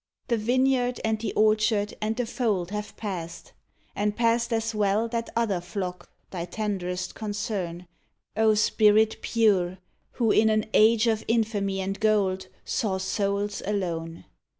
The vineyard and the orchard and the fold Have passed, and passed as well that other Flock Thy tenderest concern, O spirit pure I Who, in an age of infamy and gold Saw souls alone.